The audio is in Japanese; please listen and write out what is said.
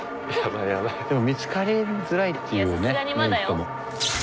でも見つかりづらいっていうねメリットも。